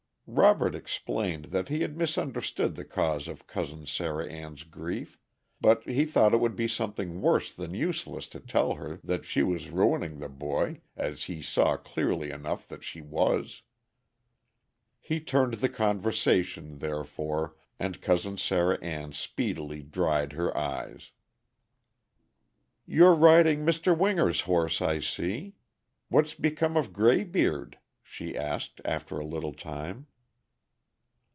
Robert explained that he had misunderstood the cause of Cousin Sarah Ann's grief, but he thought it would be something worse than useless to tell her that she was ruining the boy, as he saw clearly enough that she was. He turned the conversation, therefore, and Cousin Sarah Ann speedily dried her eyes. "You're riding Mr. Winger's horse, I see. What's become of Graybeard?" she asked, after a little time.